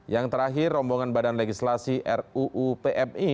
yang terakhir rombongan badan legislasi ruu pmi